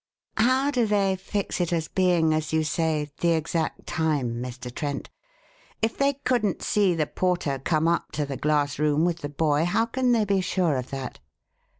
"How do they fix it as being, as you say,'the exact time,' Mr. Trent? If they couldn't see the porter come up to the glass room with the boy, how can they be sure of that?"